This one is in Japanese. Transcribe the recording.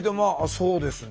そうですね。